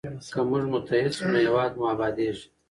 که موږ متحد سو نو هیواد مو ابادیږي.